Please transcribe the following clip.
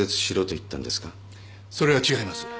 それは違います。